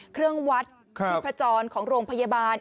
เครื่องวัดชีพจรของโรงพยาบาล